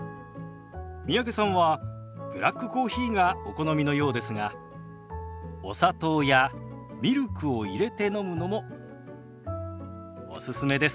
三宅さんはブラックコーヒーがお好みのようですがお砂糖やミルクを入れて飲むのもおすすめです。